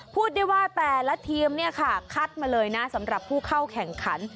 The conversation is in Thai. พูดได้ว่าแต่ละทีมเนี่ยค่ะคัดมาเลยนะสำหรับผู้เข้าแข่งขัน